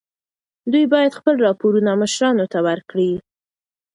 دوی باید خپل راپورونه مشرانو ته ورکړي.